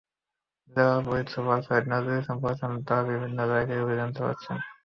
জেলার police super Syed Nurul Islam বলছেন, তাঁরা বিভিন্ন জায়গায় অভিযান চালাচ্ছেন।